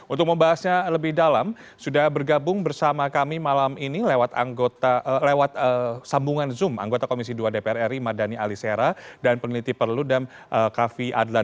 untuk membahasnya lebih dalam sudah bergabung bersama kami malam ini lewat sambungan zoom anggota komisi dua dpr ri mardani alisera dan peneliti perludem kavi adlan